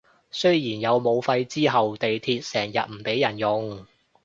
雖然有武肺之後地鐵成日唔畀人用